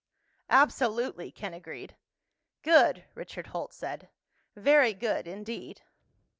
"Absolutely," Ken agreed. "Good," Richard Holt said. "Very good indeed."